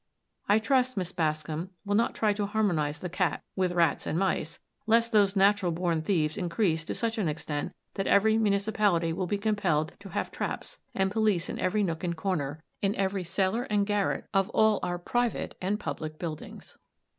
I trust Miss Bascom will not try to harmonize the cat with rats and mice, lest those natural born thieves increase to such an extent that every municipality will be compelled to have traps and police in every nook and corner, in every cellar and garret of all our private and public buildings.